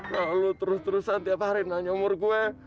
nah lo terus terusan tiap hari nanya umur gue